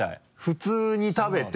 普通に食べて。